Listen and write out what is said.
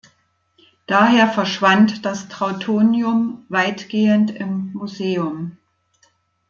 Daher verschwand das Trautonium weitgehend im Museum.